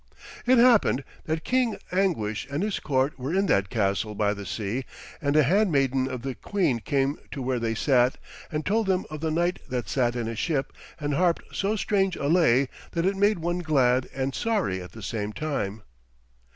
It happened that King Anguish and his court were in that castle by the sea, and a handmaiden of the queen came to where they sat and told them of the knight that sat in his ship and harped so strange a lay that it made one glad and sorry at the same time.